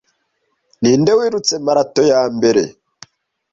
Ninde wirutse marato yambere